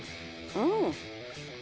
うん。